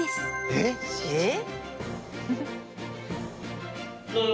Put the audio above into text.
えっ？